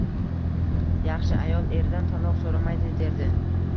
Yaxshi ayol eridan taloq soʻramaydi derdi.